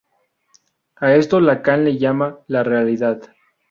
A esto Lacan le llama "la realidad".